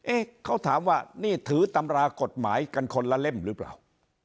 เขาถามว่านี่ถือตำรากฎหมายกันคนละเล่มหรือเปล่า